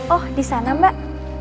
oh di sana mbak